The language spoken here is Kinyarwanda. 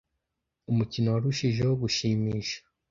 Umukino warushijeho gushimisha.